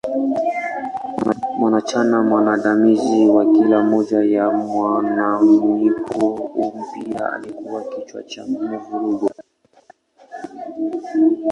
Mwanachama mwandamizi wa kila moja ya mgawanyiko huu mpya alikua kichwa cha Muwuluko.